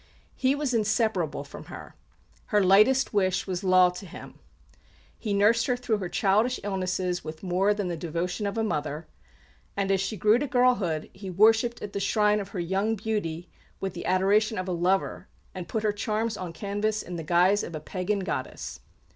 He was inseparable from her; her lightest wish was law to him; he nursed her through her childish illnesses with more than the devotion of a mother; and, as she grew to girlhood, he worshipped at the shrine of her young beauty with the adoration of a lover and put her charms on canvas in the guise of a pagan goddess.